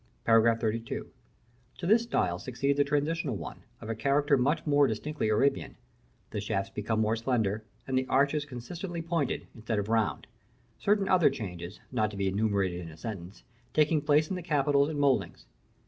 § XXXII. To this style succeeds a transitional one, of a character much more distinctly Arabian: the shafts become more slender, and the arches consistently pointed, instead of round; certain other changes, not to be enumerated in a sentence, taking place in the capitals and mouldings.